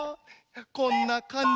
こんなかんじ？